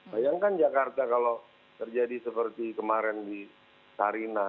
bayangkan jakarta kalau terjadi seperti kemarin di sarina